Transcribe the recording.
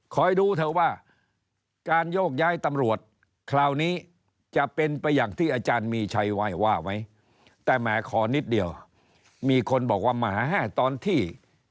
ดูเถอะว่าการโยกย้ายตำรวจคราวนี้จะเป็นไปอย่างที่อาจารย์มีชัยไว้ว่าไหมแต่แหมขอนิดเดียวมีคนบอกว่ามหาแห้ตอนที่